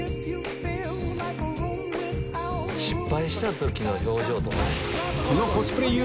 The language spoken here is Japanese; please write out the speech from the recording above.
失敗した時の表情とかね。